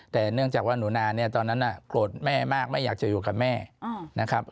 แต่เนื่องจากว่าหนูนาเนี่ยตอนนั้นโกรธแม่มากไม่อยากจะอยู่กับแม่นะครับ